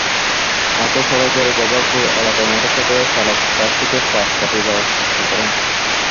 পথে সড়কের গভরপুর এলাকায় মোটরসাইকেলের চালক ট্রাকটিকে পাশ কাটিয়ে যাওয়ার চেষ্টা করেন।